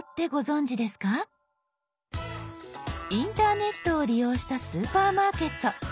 インターネットを利用したスーパーマーケット。